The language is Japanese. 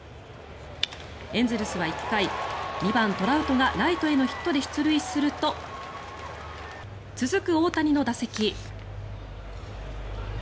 エンゼルスは１回２番、トラウトがライトへのヒットで出塁すると続く大谷の打席。